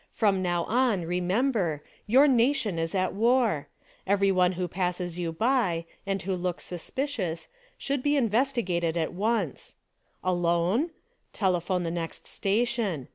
From now on, remember : Your nation is at war ! Every one who passes you by, and who looks suspicious, should be investigated at once! Alone? Telephone the next station.